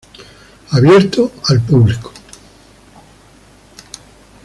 Abierto al público.